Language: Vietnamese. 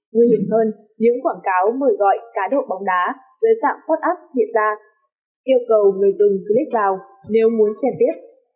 nguyên liệu hơn những quảng cáo mời gọi cá độ bóng đá dưới sạm podcast hiện ra yêu cầu người dân click vào nếu muốn xem tiếp